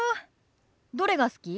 どれが好き？